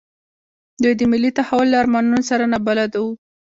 دوی د ملي تحول له ارمانونو سره نابلده وو.